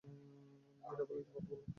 মীরা বললেন, কী, মিথ্যা বললাম?